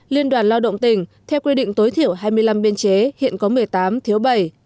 liên đoàn lao động tỉnh theo quy định tối thiểu hai mươi năm biên chế hiện có một mươi tám thiếu bảy